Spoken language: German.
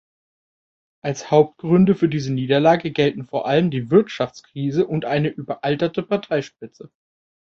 Als Hauptgründe für diese Niederlage gelten vor allem die Wirtschaftskrise und eine überalterte Parteispitze.